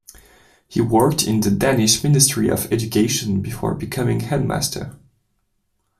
He worked in the Danish Ministry of Education before becoming headmaster.